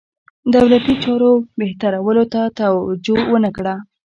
دولتي چارو بهترولو ته توجه ونه کړه.